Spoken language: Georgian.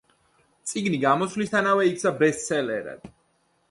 წიგნი გამოსვლისთანავე იქცა ბესტსელერად.